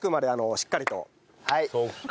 そっか。